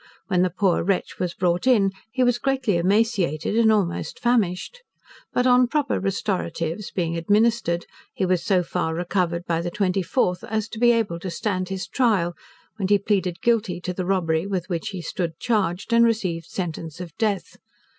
When the poor wretch was brought in, he was greatly emaciated and almost famished. But on proper restoratives being administered, he was so far recovered by the 24th, as to be able to stand his trial, when he pleaded Guilty to the robbery with which he stood charged, and received sentence of death.